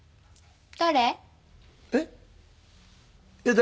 誰？